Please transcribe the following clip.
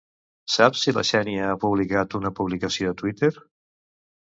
Saps si la Xènia ha publicat una publicació a Twitter?